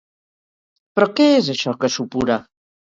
Però, què és això que supura?